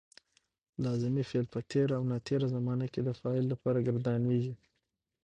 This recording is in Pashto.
لازمي فعل په تېره او ناتېره زمانه کې د فاعل لپاره ګردانیږي.